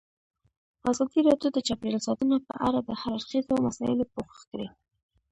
ازادي راډیو د چاپیریال ساتنه په اړه د هر اړخیزو مسایلو پوښښ کړی.